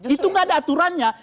itu tidak ada aturannya